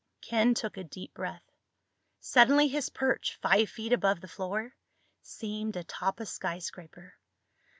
Ken took a deep breath. Suddenly his perch, five feet above the floor, seemed atop a skyscraper.